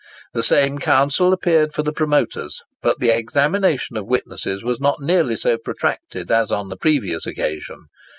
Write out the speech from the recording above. The same counsel appeared for the promoters, but the examination of witnesses was not nearly so protracted as on the previous occasion.